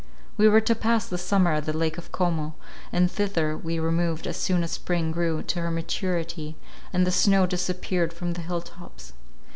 We were to pass the summer at the lake of Como, and thither we removed as soon as spring grew to her maturity, and the snow disappeared from the hill tops.